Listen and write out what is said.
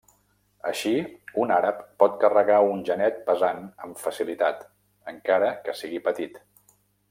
Així, un àrab pot carregar un genet pesant amb facilitat, encara que sigui petit.